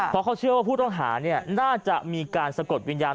เพราะเขาเชื่อว่าผู้ต้องหาน่าจะมีการสะกดวิญญาณ